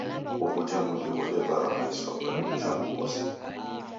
Ughuja mudi ghodebarwa na isoka ni uja mghosi.